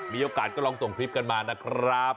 มีโอกาสก็ลองส่งคลิปกันมานะครับ